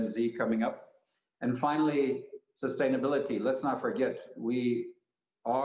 jika kita melihat sejarahnya indonesia